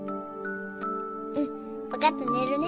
うん分かった寝るね。